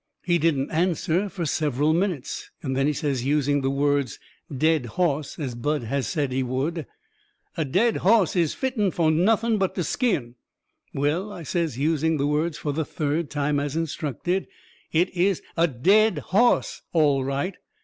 He didn't answer fur several minutes. Then he says, using the words DEAD HOSS as Bud had said he would. "A DEAD HOSS is fitten fo' nothing but to skin." "Well," I says, using the words fur the third time, as instructed, "it is a DEAD HOSS all right."